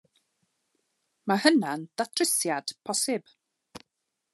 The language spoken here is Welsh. Mae hynna'n ddatrysiad posib.